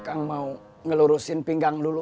kang mau ngelurusin pinggang dulu